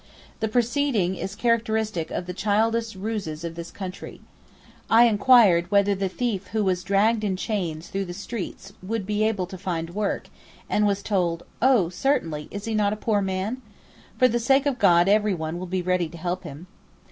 The proceeding is characteristic of the childish ruses of this country. I inquired whether the thief who was dragged in chains through the streets would be able to find work, and was told, 'Oh, certainly; is he not a poor man? For the sake of God everyone will be ready to help him.